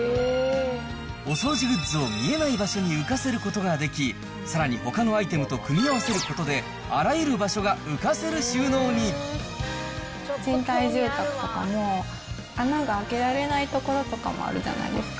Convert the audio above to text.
お掃除グッズを見えない場所に浮かせることができ、さらにほかのアイテムと組み合わせることで、賃貸住宅とかも、穴が開けられない所とかもあるじゃないですか。